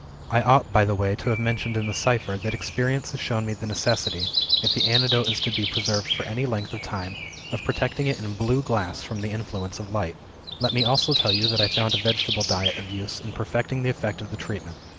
"I ought, by the way, to have mentioned in the cipher that experience has shown me the necessity, if the antidote is to be preserved for any length of time, of protecting it in blue glass from the influence of light. "Let me also tell you that I found a vegetable diet of use in perfecting the effect of the treatment.